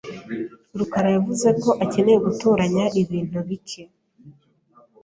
rukarayavuze ko akeneye gutoranya ibintu bike.